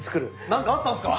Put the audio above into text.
何かあったんすか？